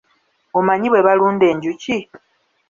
Omanyi bwe balunda enjuki?